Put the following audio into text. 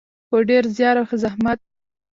په ډیر زیار او زحمت.